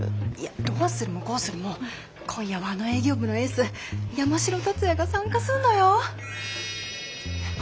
どうするもこうするも今夜はあの営業部のエース山城達也が参加するのよ！